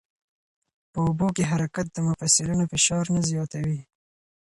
په اوبو کې حرکت د مفصلونو فشار نه زیاتوي.